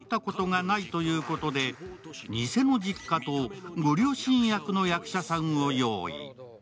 まだお相手のご両親に会ったことがないということで、偽の実家とご両親役の役者さんを用意。